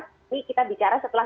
pasti menular ini kita bicara setelah